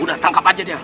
apa aja dia